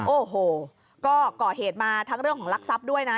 โอ้โหก็ก่อเหตุมาทั้งเรื่องของลักทรัพย์ด้วยนะ